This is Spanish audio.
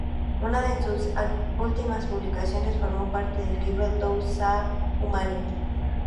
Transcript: Una de sus últimas publicaciones formó parte del libro "To Save Humanity"